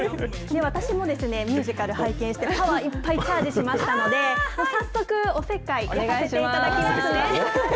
私もミュージカル、拝見して、パワーいっぱいチャージしましたので、早速、おせっかい焼かせていただきますね。